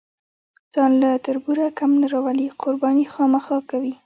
ځان له تربوره کم نه راولي، قرباني خامخا کوي.